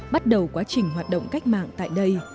bắt đầu quá trình hoạt động cách mạng tại đây